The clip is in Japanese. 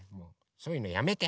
そういうのやめて。